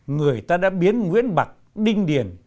người ta đã biến nguyễn bạc đinh điền